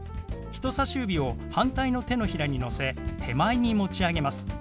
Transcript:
人さし指を反対の手のひらにのせ手前に持ち上げます。